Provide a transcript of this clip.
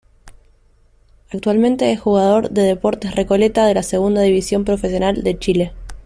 Actualmente es jugador de Deportes Recoleta de la Segunda División Profesional de Chile.